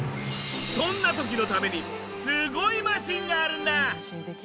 そんな時のためにすごいマシンがあるんだ。